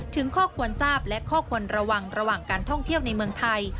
ถึงข้อควรทราบและข้อควรระวังระหว่างการท่องเที่ยวในเมืองไทย